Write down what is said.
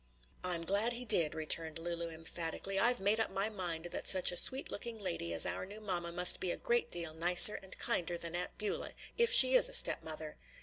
"I'm glad he did," returned Lulu emphatically. "I've made up my mind that such a sweet looking lady as our new mamma must be a great deal nicer and kinder than Aunt Beulah, if she is a step mother."